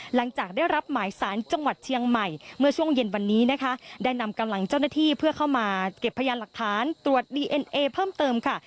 หลังจากได้รับหมายสารจังหวัดเชียงใหม่เมื่อช่วงเย็นวันนี้นะคะได้นำกำลังเจ้าหน้าที่เพื่อเข้ามาเก็บพยานหลักฐานตรวจดีเอ็นเอเพิ่มเติมค่ะ